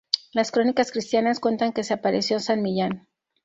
Las crónicas cristianas cuentan que se apareció San Millán.